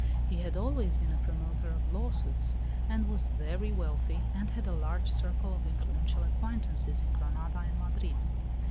He had always been a promoter of lawsuits, and was very wealthy, and had a large circle of influential acquaintances in Granada and Madrid.